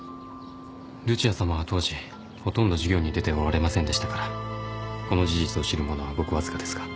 ルチアさまは当時ほとんど授業に出ておられませんでしたからこの事実を知る者はごくわずかですが。